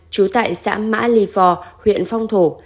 chú tại xã mã lì phò huyện phong thổ